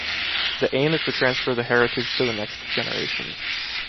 The aim is to transfer the heritage to the next generations.